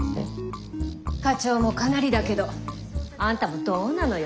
課長もかなりだけどあんたもどうなのよ。